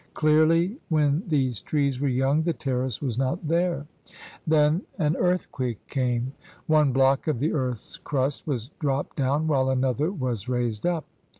Clearly when these trees were young the terrace was not there. Then an earthquake came. One block of the earth's crust was dropped down while another was raised up.